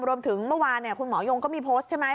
รวมถึงเมื่อวานคุณหมอยงก็มีโพสต์ใช่ไหม